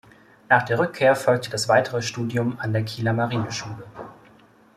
Nach der Rückkehr folgte das weitere Studium an der Kieler Marineschule.